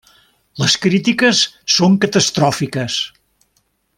Les crítiques són catastròfiques.